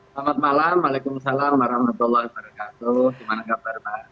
selamat malam waalaikumsalam warahmatullahi wabarakatuh semangat barbar